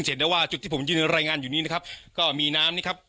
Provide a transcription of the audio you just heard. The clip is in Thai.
เห็นได้ว่าจุดที่ผมยืนรายงานอยู่นี้นะครับก็มีน้ำนี่ครับ